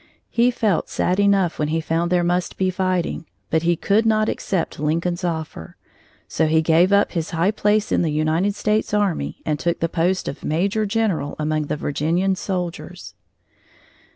He felt sad enough when he found there must be fighting, but he could not accept Lincoln's offer, so he gave up his high place in the United States Army and took the post of Major general among the Virginian soldiers.